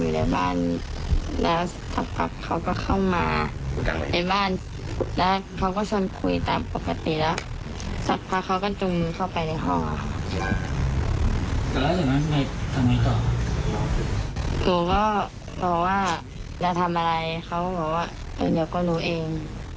แล้วทำอะไรเขาบอกว่าเดี๋ยวก็รู้เอง